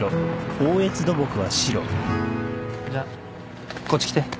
じゃこっち来て。